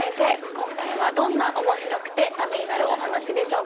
今回はどんなおもしろくてためになるお話でしょうか？